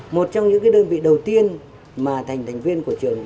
một trong những đơn vị đầu tiên mà thành thành viên của trường